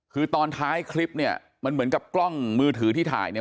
คือตอนท้ายคลิปเนี่ยมันเหมือนกับกล้องมือถือที่ถ่ายเนี่ย